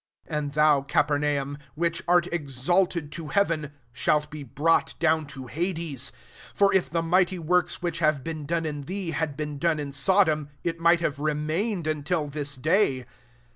23 And thou Capernaum, which art exalted to heaven, shalt be brought down to hades : for if the mighty works, which have been done in thee, had been done hi Sodom, it might have remained until this day.